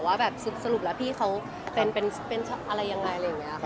ว่าแบบสรุปแล้วพี่เขาเป็นอะไรยังไงอะไรอย่างนี้ค่ะ